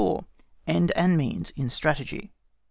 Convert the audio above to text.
END AND MEANS IN STRATEGY.